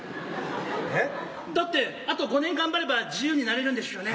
えっ？だってあと５年頑張れば自由になれるんでしゅよね？